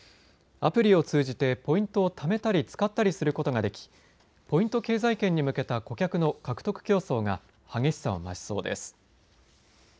アプリを通じてポイントをためたり使ったりすることができ、ポイント経済圏に向けた顧客の獲得競争が激しさを増しそうです。